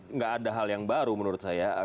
nggak ada hal yang baru menurut saya